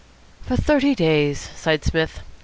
"For thirty days," sighed Psmith.